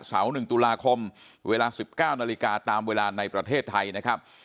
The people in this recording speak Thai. ๑ตุลาคมเวลา๑๙นาฬิกาตามเวลาในประเทศไทยนะครับ